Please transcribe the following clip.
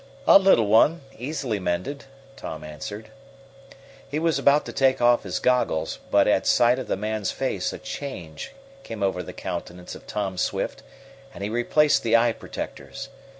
"A little one, easily mended," Tom answered. He was about to take off his goggles, but at sight of the man's face a change came over the countenance of Tom Swift, and he replaced the eye protectors.